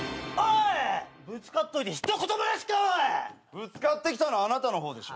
ぶつかってきたのはあなたの方でしょ？